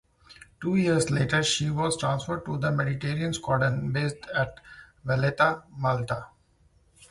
Two years later she was transferred to the Mediterranean squadron, based at Valletta, Malta.